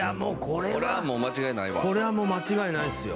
これはもう間違いないっすよ。